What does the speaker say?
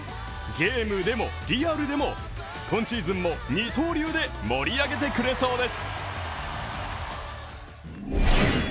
ゲームでもリアルでも、今シーズンも二刀流で盛り上げてくれそうです。